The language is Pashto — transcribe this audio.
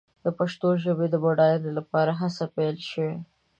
د پښتو ژبې د بډاینې لپاره هڅې پيل شوې.